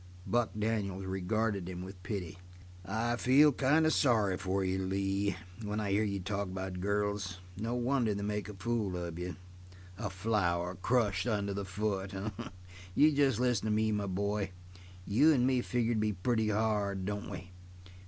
Buck Daniels regarded him with pity. "I feel kind of sorry for you, Lee, when I hear you talk about girls. No wonder they make a fool of you. A flower crushed under the foot, eh? You just listen to me, my boy. You and me figure to be pretty hard, don't we?